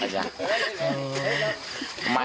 ช้าง